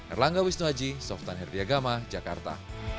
erlangga wisnuaji softan herdiagama jakarta